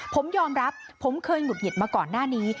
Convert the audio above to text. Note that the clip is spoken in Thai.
ผมยอมรับผมเคยหงุดหงิดมาก่อนหน้านี้